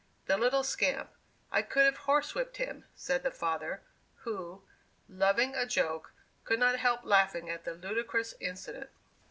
The little scamp! I could have horse whipped him!" said the father, who, loving a joke, could not help laughing at the ludicrous incident.